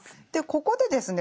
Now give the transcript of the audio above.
ここでですね